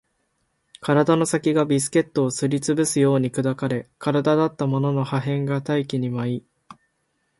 体の先がビスケットをすり潰すように砕かれ、体だったものの破片が大気に舞い